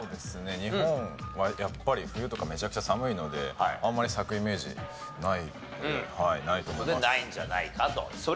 日本はやっぱり冬とかめちゃくちゃ寒いのであんまり咲くイメージないのでないと思います。